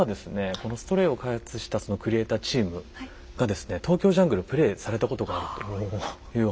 この「Ｓｔｒａｙ」を開発したそのクリエイターチームがですね「ＴＯＫＹＯＪＵＮＧＬＥ」プレイされたことがあるというお話で。